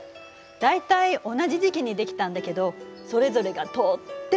大体同じ時期にできたんだけどそれぞれがとっても個性的。